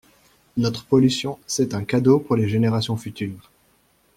Notre pollution, c'est un cadeau pour les générations futures.